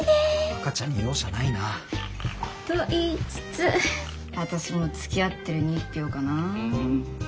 赤ちゃんに容赦ないな。と言いつつ私もつきあってるに１票かな。